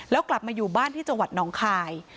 แล้วกลับมาอยู่บ้านที่จังหวัดน้องคาย